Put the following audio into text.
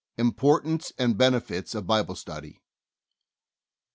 IMPORTANCE AND BENEFITS OF BIBLE STUDY.